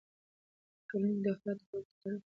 په ټولنه کې د افرادو رول د تاریخ په پرتله معاصر دی.